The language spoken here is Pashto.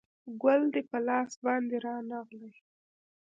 ګل دې په لاس باندې رانغلی